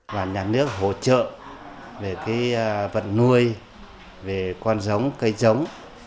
và nhà nước hỗ trợ về vật nuôi về con giống cây giống